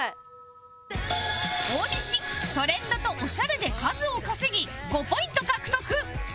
大西「トレンド」と「オシャレ」で数を稼ぎ５ポイント獲得